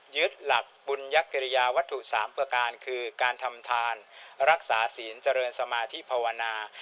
ยึดหลักบุญยักษิริยาวัตถุ๓ประการคือการทำทานรักษาศีลเจริญสมาธิภาวนา